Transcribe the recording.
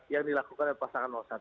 yang dilakukan oleh pasangan satu